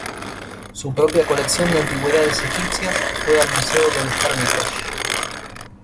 Su propia colección de antigüedades egipcias fue al Museo del Hermitage.